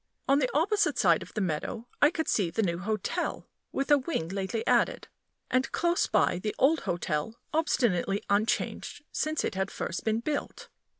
On the opposite side of the meadow I could see the new hotel (with a wing lately added), and close by, the old hotel obstinately unchanged since it had first been built.